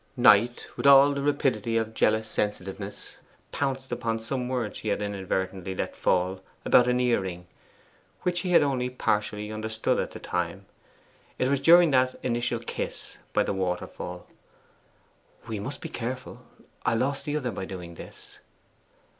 Knight, with all the rapidity of jealous sensitiveness, pounced upon some words she had inadvertently let fall about an earring, which he had only partially understood at the time. It was during that 'initial kiss' by the little waterfall: 'We must be careful. I lost the other by doing this!